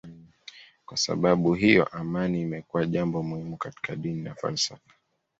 Kwa sababu hiyo amani imekuwa jambo muhimu katika dini na falsafa.